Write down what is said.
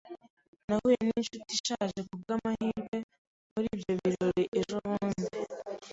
Nahuye ninshuti ishaje kubwamahirwe muri ibyo birori ejobundi.